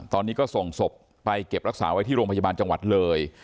ตอนนี้ก็ส่งศพไปเก็บรักษาไว้ที่โรงพยาบาลจังหวัดเลย